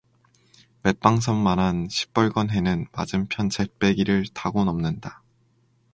맷방석만한 시뻘건 해는 맞은편 잿배기를 타고 넘는다.